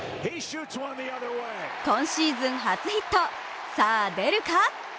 今シーズン初ヒット、さあ出るか？